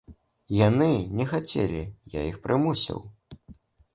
Яны не хацелі, я іх прымусіў!